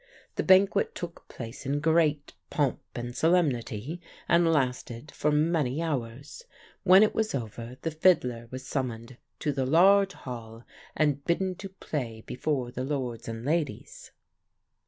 The banquet took place in great pomp and solemnity, and lasted for many hours. When it was over the fiddler was summoned to the large hall and bidden to play before the Lords and Ladies.